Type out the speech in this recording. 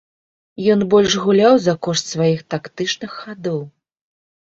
Ён больш гуляў за кошт сваіх тактычных хадоў.